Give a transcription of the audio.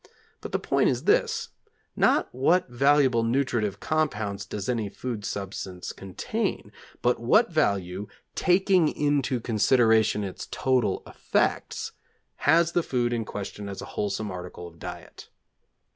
But the point is this: not what valuable nutritive compounds does any food substance contain, but what value, taking into consideration its total effects, has the food in question as a wholesome article of diet?